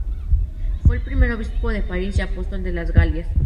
Fue el primer obispo de París, y apóstol de las Galias.